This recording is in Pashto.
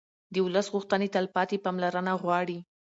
د ولس غوښتنې تلپاتې پاملرنه غواړي